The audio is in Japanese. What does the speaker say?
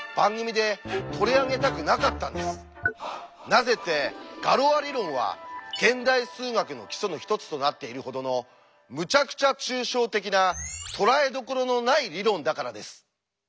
なぜって「ガロア理論」は現代数学の基礎の一つとなっているほどのむちゃくちゃ抽象的な捉えどころのない理論だからです。